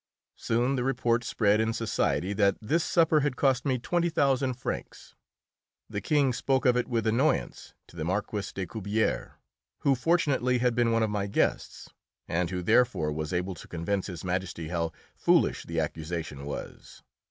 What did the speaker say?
Soon the report spread in society that this supper had cost me twenty thousand francs. The King spoke of it with annoyance to the Marquis de Cubières, who fortunately had been one of my guests, and who therefore was able to convince His Majesty how foolish the accusation was.